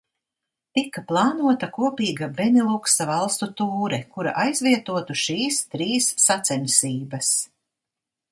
Tika plānota kopīga Beniluksa valstu tūre, kura aizvietotu šīs trīs sacensības.